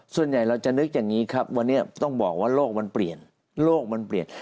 ส่วนใหญ่เราจะนึกอย่างนี้ครับวันนี้ต้องบอกว่าโลกมันเปลี่ยน